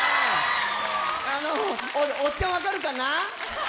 おっちゃん分かるかな？